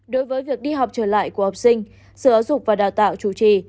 đối với việc đi học trở lại của học sinh sự ảo dục và đào tạo chủ trì